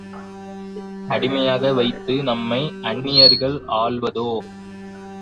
அடிமை யாக வைத்து நம்மை அந்நி யர்கள் ஆள்வதோ?